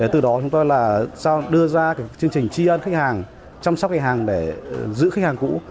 từ đó chúng tôi đưa ra chương trình tri ân khách hàng chăm sóc khách hàng để giữ khách hàng cũ